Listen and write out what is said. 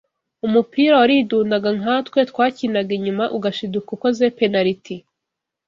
umupira waridundaga nkatwe twakinaga inyuma ugashiduka ukoze penaliti